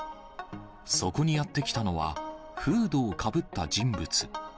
そこにやって来たのは、フードをかぶった人物。